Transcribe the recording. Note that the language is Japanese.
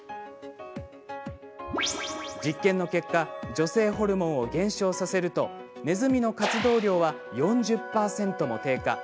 実験の結果女性ホルモンを減少させるとネズミの活動量は４０％も低下。